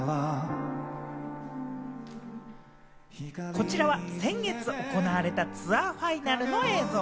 こちらは先月行われたツアーファイナルの映像。